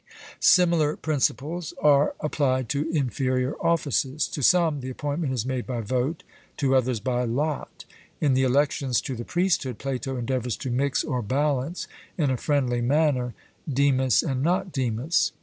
Similar principles are applied to inferior offices. To some the appointment is made by vote, to others by lot. In the elections to the priesthood, Plato endeavours to mix or balance in a friendly manner 'demus and not demus.'